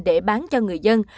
để bán cho người dân